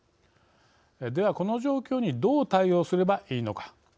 では、この状況にどう対応すればいいのか。